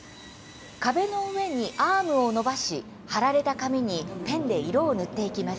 壁の上にアームを伸ばし貼られた紙にペンで色を塗っていきます。